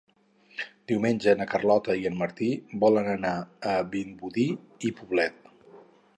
Diumenge na Carlota i en Martí volen anar a Vimbodí i Poblet.